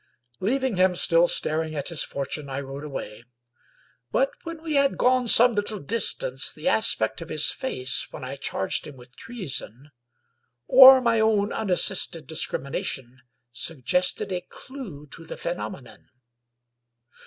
Leaving him still staring at his fortune I rode away; but when we had gone some little distance, the aspect of his face, when I charged him with treason, or my own unassisted discrimination suggested a clew to the phenomenon.